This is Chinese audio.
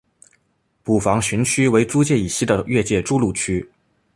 捕房巡区为租界以西的越界筑路区。